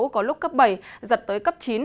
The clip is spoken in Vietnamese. có lúc cấp bảy giật tới cấp chín